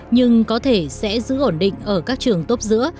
nhưng có thể sẽ giữ ổn định ở các trường tốt giữa